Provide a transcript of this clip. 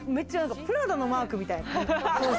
プラダのマークみたい。